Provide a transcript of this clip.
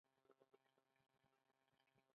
دې نه مخکښې هم دوي